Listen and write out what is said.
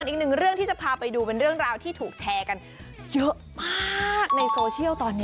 อีกหนึ่งเรื่องที่จะพาไปดูเป็นเรื่องราวที่ถูกแชร์กันเยอะมากในโซเชียลตอนนี้